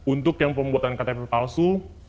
untuk yang pembuatan ktp palsu